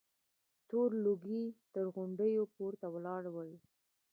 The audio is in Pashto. تور لوګي تر غونډيو پورته ولاړ ول.